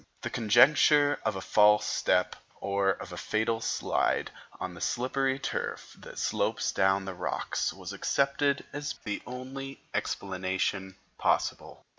The conjecture of a false step or of a fatal slide on the slippery turf that slopes down to the rocks was accepted as being the only explanation possible.